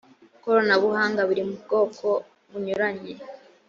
koranabuhanga biri mu bwoko bunyuranye